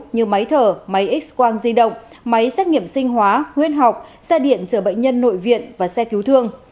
như máy thở máy x quang di động máy xét nghiệm sinh hóa huyết học xe điện chở bệnh nhân nội viện và xe cứu thương